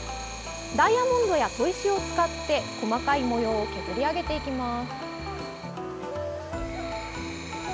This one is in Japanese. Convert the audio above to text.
ダイヤモンドや砥石を使って細かい模様を削り上げていきます。